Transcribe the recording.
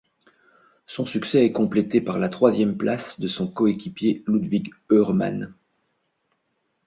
Son succès est complété par la troisième place de son coéquipier Ludwig Hörmann.